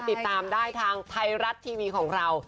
ติดตามได้ทางไทยรัฐทีวีของเรา